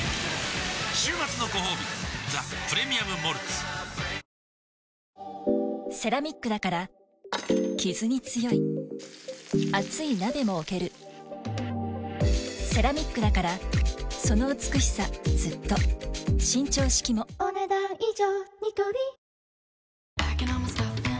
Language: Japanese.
週末のごほうび「ザ・プレミアム・モルツ」セラミックだからキズに強い熱い鍋も置けるセラミックだからその美しさずっと伸長式もお、ねだん以上。